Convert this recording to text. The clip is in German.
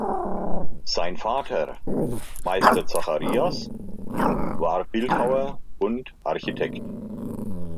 Sein Vater, Meister Zacharias, war Bildhauer und Architekt.